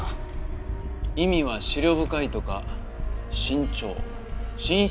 意味は思慮深いとか慎重神出